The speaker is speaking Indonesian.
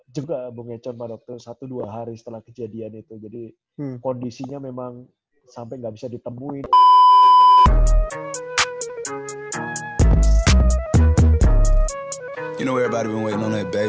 juga bung econ sama dokter satu dua hari setelah kejadian itu jadi kondisinya memang sampai gak bisa ditemuin